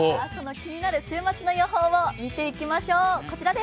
気になる週末の予報を見ていきましょう。